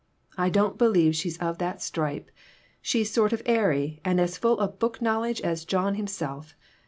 I don't believe she's of that stripe. She's sort of airy and as full of book knowledge as John him self.